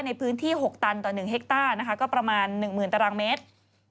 ในพื้นที่๖ตันต่อ๑เฮกต้านะคะก็ประมาณ๑๐๐๐ตารางเมตร